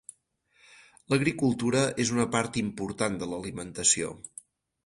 L’agricultura és una part important de l’alimentació.